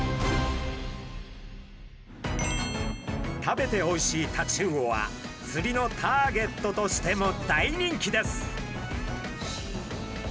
食べておいしいタチウオはつりのターゲットとしても大人気です。